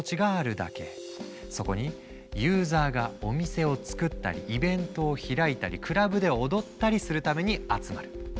そこにユーザーがお店を作ったりイベントを開いたりクラブで踊ったりするために集まる。